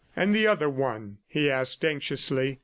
"And the other one?" he asked anxiously.